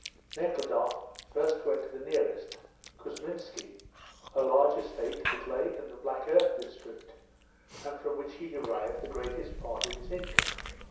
Nekhludoff first went to the nearest, Kousminski, a large estate that lay in the black earth district, and from which he derived the greatest part of his income.